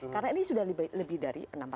karena ini sudah lebih dari